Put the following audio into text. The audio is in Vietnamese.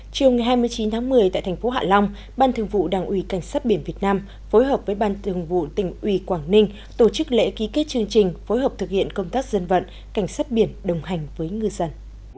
chiều ngày hai mươi chín tháng một mươi tại thành phố hạ long ban thường vụ đảng ủy cảnh sát biển việt nam phối hợp với ban thường vụ tỉnh ủy quảng ninh tổ chức lễ ký kết chương trình phối hợp thực hiện công tác dân vận cảnh sát biển đồng hành với ngư dân